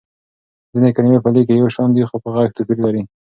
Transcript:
ځينې کلمې په ليک يو شان دي خو په غږ توپير لري.